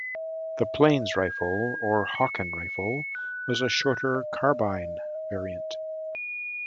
The "plains rifle" or "Hawken rifle" was a shorter, carbine variant.